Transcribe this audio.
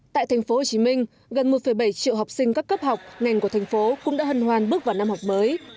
tại thành phố hồ chí minh gần một bảy triệu học sinh các cấp học ngành của thành phố cũng đã hân hoan bước vào năm học mới